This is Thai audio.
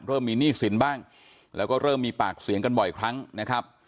เริ่มมีหนี้สินบ้างแล้วก็เริ่มมีปากเสียงกันบ่อยครั้งนะครับ